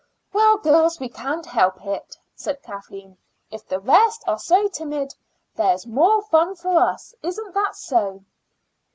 "Well, girls, we can't help it," said Kathleen. "If the rest are so timid, there's more fun for us; isn't that so?"